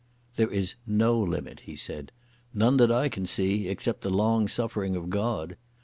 "There is no limit," he said. "None that I can see, except the long suffering of God.